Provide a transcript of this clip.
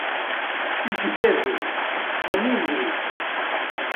Ikeddaben, teffɣen i ubrid.